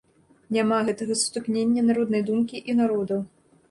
Няма гэтага сутыкнення народнай думкі і народаў.